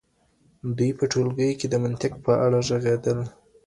دوی په ټولګي کي د منطق په اړه ږغيدل.